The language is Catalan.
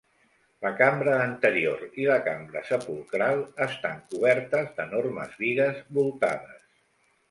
La cambra anterior i la cambra sepulcral estan cobertes d'enormes bigues voltades.